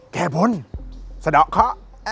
แค่พ้นสะดอกเขา